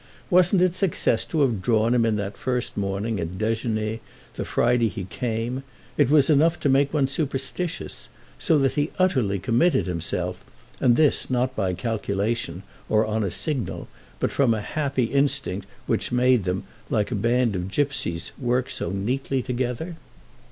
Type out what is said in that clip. Wasn't it success to have drawn him in that first morning at déjeuner, the Friday he came—it was enough to make one superstitious—so that he utterly committed himself, and this not by calculation or on a signal, but from a happy instinct which made them, like a band of gipsies, work so neatly together?